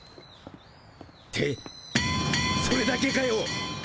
てそれだけかよ。